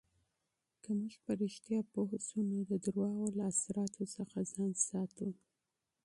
که موږ په رښتیا پوه شو، نو د درواغو له اثراتو څخه ځان ساتو.